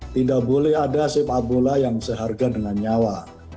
tidak boleh ada sepabula yang seharga dengan nyawa